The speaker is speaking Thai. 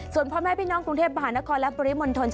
ส่วนพ่อแม่พี่น้องกรุงเทพมหานครและปริมณฑล